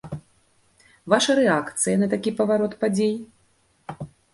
Ваша рэакцыя на такі паварот падзей?